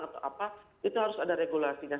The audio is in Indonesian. itu harus ada regulasinya